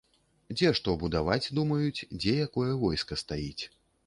Дзе што будаваць думаюць, дзе якое войска стаіць.